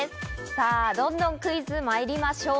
さぁどんどんクイズまいりましょう！